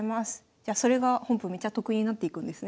じゃそれが本譜めちゃ得になっていくんですね。